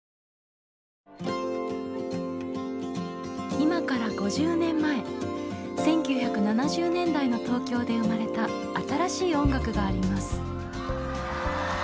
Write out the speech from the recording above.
今から５０年前１９７０年代の東京で生まれた新しい音楽があります。